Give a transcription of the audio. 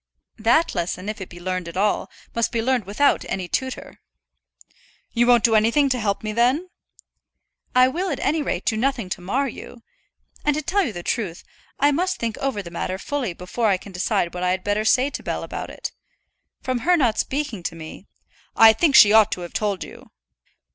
"That lesson, if it be learned at all, must be learned without any tutor." "You won't do anything to help me then?" "I will, at any rate, do nothing to mar you. And, to tell the truth, I must think over the matter fully before I can decide what I had better say to Bell about it. From her not speaking to me " "I think she ought to have told you."